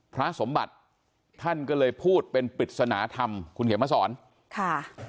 พระสมบัติท่านก็เลยพูดเป็นปริศนธรรมคุณเขียนมาสอนค่ะ